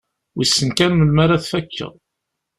Wissen kan melmi ara t-fakkeɣ.